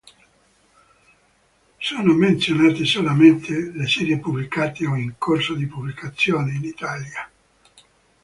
Sono menzionate solamente le serie pubblicate o in corso di pubblicazione in Italia.